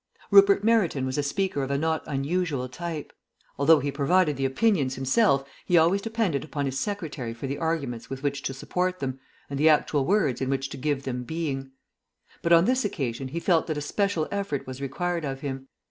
Rupert Meryton was a speaker of a not unusual type. Although he provided the opinions himself, he always depended upon his secretary for the arguments with which to support them and the actual words in which to give them being. But on this occasion he felt that a special effort was required of him.